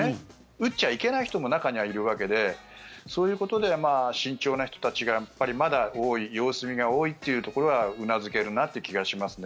打っちゃいけない人も中にはいるわけでそういうことで慎重な人たちがやっぱりまだ多い様子見が多いというところはうなずけるなという気がします。